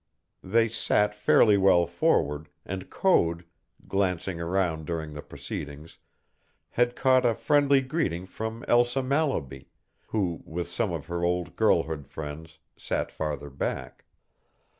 They sat fairly well forward, and Code, glancing around during the proceedings, had caught a friendly greeting from Elsa Mallaby, who, with some of her old girlhood friends, sat farther back.